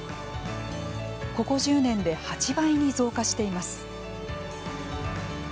ここ１０年で８倍に増加しています。